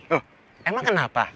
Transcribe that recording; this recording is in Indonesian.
oh emang kenapa